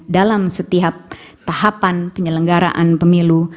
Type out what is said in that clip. dalam setiap tahapan penyelenggaraan pemilu